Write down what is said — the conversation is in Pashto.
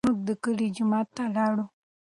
موږ د کلي جومات ته لاړو.